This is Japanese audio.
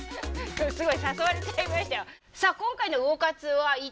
すごい誘われちゃいましたよ。